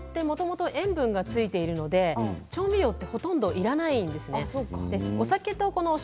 干物はもともと塩分がついているので調味料はほとんどいらないんですね。